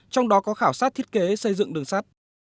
trong đó có khảo sát thiết kế xây dựng đường sắt